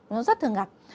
nó rất thường gặp